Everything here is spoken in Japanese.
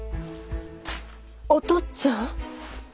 お父っつぁん？